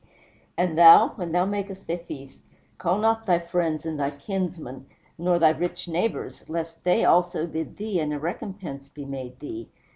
"And thou, when thou makest a feast, call not thy friends and thy kinsmen, nor thy rich neighbors, lest they also bid thee, and a recompense be made thee.